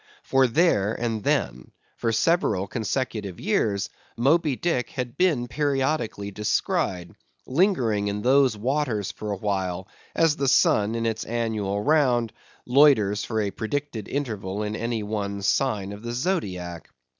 For there and then, for several consecutive years, Moby Dick had been periodically descried, lingering in those waters for awhile, as the sun, in its annual round, loiters for a predicted interval in any one sign of the Zodiac.